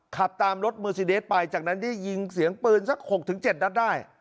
ขับตามรถเมอร์ซีเดสไปจากนั้นได้ยินเสียงปืนสัก๖๗นัดได้